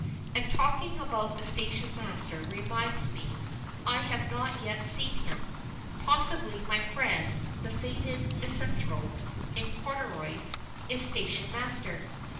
And talking about the station master reminds me I have not yet seen him. Possibly my friend, the Faded Misanthrope in corduroys, is station master.